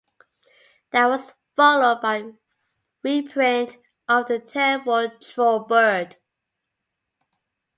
That was followed by a reprint of "The Terrible Troll Bird".